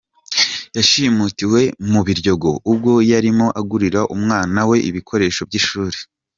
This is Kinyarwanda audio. Yashimutiwe mu Biryogo ubwo yarimo agurira umwana we ibikoresho by’Ishuri.